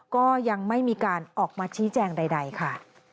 ก็ยังไม่มีการออกมาชี้แจงใดค่ะ